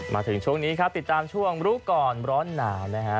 มาถึงช่วงนี้ครับติดตามช่วงรู้ก่อนร้อนหนาวนะฮะ